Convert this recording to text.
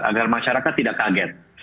agar masyarakat tidak kaget